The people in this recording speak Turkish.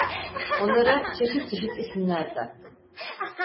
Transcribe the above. Onlara çeşit çeşit isimler taktı.